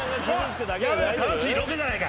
楽しいロケじゃないか。